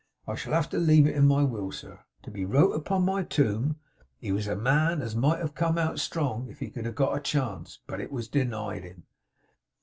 I shall have to leave it in my will, sir, to be wrote upon my tomb: "He was a man as might have come out strong if he could have got a chance. But it was denied him."